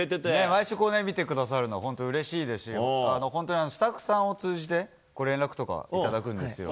来週、見てくださるの、本当うれしいですし、本当にスタッフさんを通じて、こう連絡とかいただくんですよ。